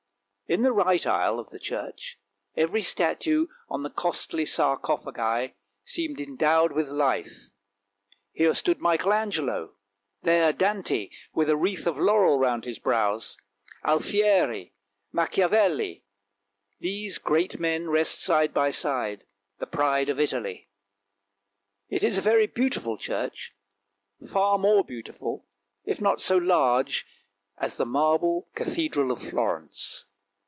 In the right aisle of the church, every statue on the costly sarcophagi seemed endowed with life. Here stood Michael Angelo, there Dante, with a wreath of laurel round his brows; Alfieri, Machiavelli, these great men rest side by side — the pride of Italy. It is a very beautiful church, far more beautiful, if not so large as the marble Cathedral of Florence.